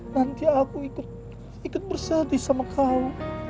nanti aku ikut bersahadi sama kau